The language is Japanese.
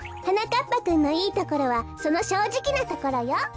はなかっぱくんのいいところはそのしょうじきなところよ。